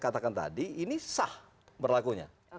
tadi ini sah berlakunya